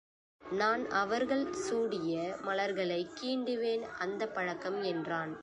நான் அவர்கள் சூடிய மலர்களைக் கீண்டுவேன் அந்தப் பழக்கம் என்றான்.